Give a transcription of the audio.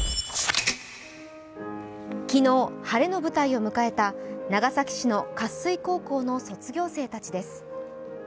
昨日、晴れの舞台を迎えた長崎市の活水高校の卒業生たちです。